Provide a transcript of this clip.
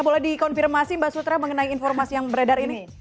boleh dikonfirmasi mbak sutra mengenai informasi yang beredar ini